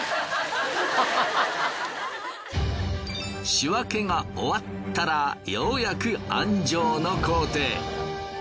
仕分けが終わったらようやく庵蒸の工程。